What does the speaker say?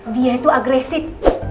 dia itu agresif